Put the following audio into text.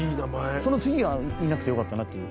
その次がいなくてよかったなっていう。